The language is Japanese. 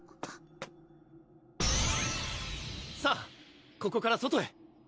さぁここから外へ！